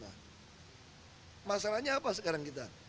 nah masalahnya apa sekarang kita